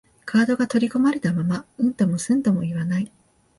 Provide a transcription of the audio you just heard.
カードが取り込まれたまま、うんともすんとも言わない